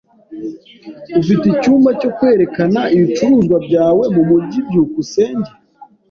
Ufite icyumba cyo kwerekana ibicuruzwa byawe mumujyi? byukusenge